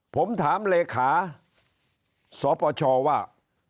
ผมถามเลขาสปชว่า